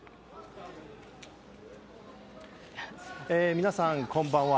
皆さん、こんばんは。